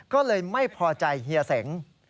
ก็เลยไม่พอใจเฮียเสง